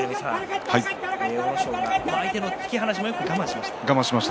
阿武咲、相手の突き放しもよく我慢しました。